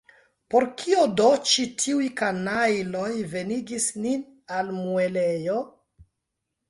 Por kio do ĉi tiuj kanajloj venigis nin al muelejo?